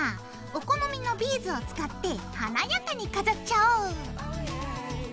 お好みのビーズを使って華やかに飾っちゃおう。